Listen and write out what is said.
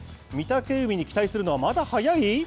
御嶽海に期待するのは、まだ早い？